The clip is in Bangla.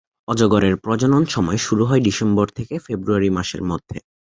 অজগরের প্রজনন সময় শুরু হয় ডিসেম্বর থেকে ফেব্রুয়ারি মাসের মধ্যে।